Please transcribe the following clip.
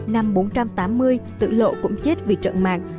năm bốn trăm tám mươi tự lộ cũng chết vì trận mạng